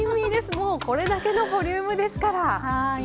もうこれだけのボリュームですから。